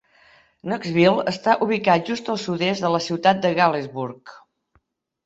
Knoxville està ubicat just al sud-est de la ciutat de Galesburg.